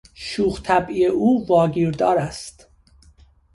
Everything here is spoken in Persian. شوخ طبعی او واگیردار است.